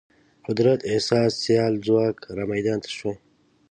قدرت احساس سیال ځواک رامیدان ته شوی.